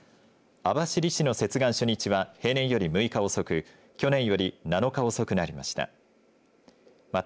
網走市の接岸初日は平年より６日遅く去年より７日遅くなりました。